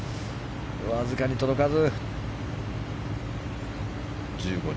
わずかに届かず。